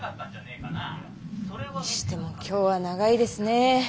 にしても今日は長いですね